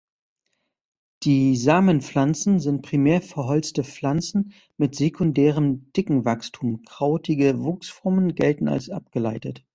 Die Samenpflanzen sind primär verholzte Pflanzen mit sekundärem Dickenwachstum, krautige Wuchsformen gelten als abgeleitet.